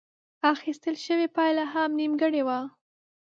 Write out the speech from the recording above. اخيستل شوې پايله هم نيمګړې وه.